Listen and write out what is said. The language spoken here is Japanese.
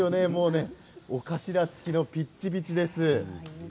尾頭付きのピチピチです。